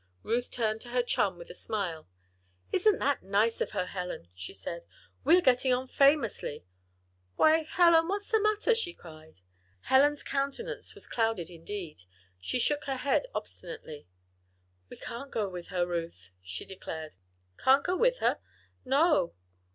Ruth turned to her chum with a smile. "Isn't that nice of her, Helen?" she said. "We are getting on famously Why, Helen! what's the matter?" she cried. Helen's countenance was clouded indeed. She shook her head obstinately. "We can't go with her, Ruth," she declared. "Can't go with her?" "No."